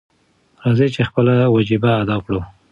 راځئ چې خپله وجیبه ادا کړو.